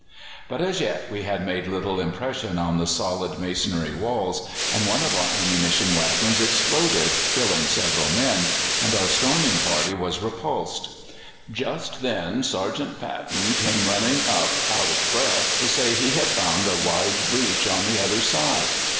But as yet we had made little impression on the solid masonry walls, and one of our ammunition waggons exploded, killing several men, and our storming party was repulsed. Just then Sergeant Paton came running up out of breath to say he had found a wide breach on the other side.